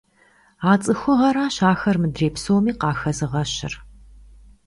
А цӀыхугъэращ ахэр мыдрей псоми къахэзыгъэщыр.